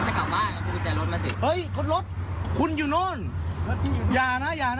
ยาวหรือเปล่า